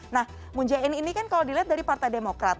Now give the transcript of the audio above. nah munjain ini kan kalau dilihat dari partai demokrat